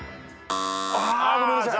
ごめんなさい。